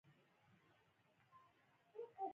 دښته د شپې له غلې فضا ډکه ده.